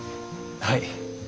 はい。